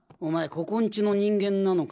ここんちの人間なのか？